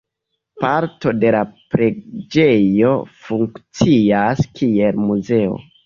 Parto de la preĝejo funkcias kiel muzeo.